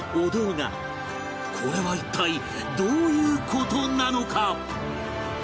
これは一体どういう事なのか？